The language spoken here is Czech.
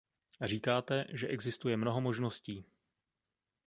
Říkáte, že existuje mnoho možností.